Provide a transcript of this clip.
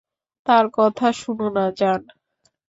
তার কথা শুনো না, জান।